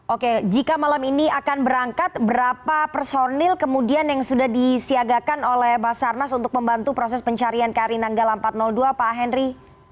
oke jika malam ini akan berangkat berapa personil kemudian yang sudah disiagakan oleh basarnas untuk membantu proses pencarian kri nanggala empat ratus dua pak henry